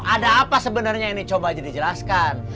ada apa sebenernya yang dicoba aja di jelaskan